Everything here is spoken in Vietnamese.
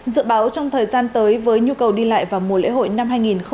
dự báo trong thời gian tới với nhu cầu đi lại vào mùa lễ hội năm hai nghìn hai mươi